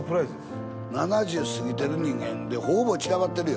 ７０過ぎてる人間で方々散らばってるよ。